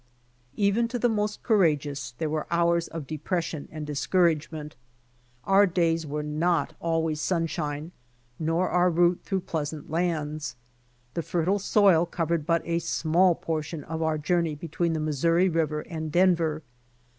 Even to the most courageous there were hours of depression and discouragement. Our days were not always sunshine, nor our route through pleasant lands. The fertile soil covered but a small portion of our journey between the Missouri river and Denver.